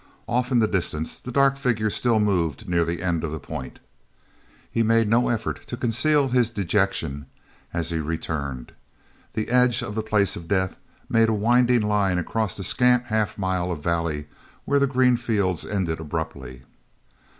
Off in the distance the dark figures still moved near the end of the point. He made no effort to conceal his dejection as he returned. The edge of the Place of Death made a winding line across the scant half mile of valley where the green fields ended abruptly.